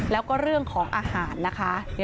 แล้วก็เรื่องของอาหารนะคะ